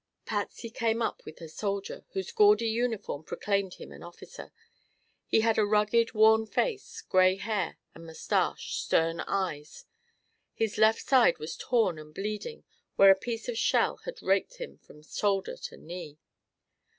Patsy came up with her soldier, whose gaudy uniform proclaimed him an officer. He had a rugged, worn face, gray hair and mustache, stern eyes. His left side was torn and bleeding where a piece of shell had raked him from shoulder to knee.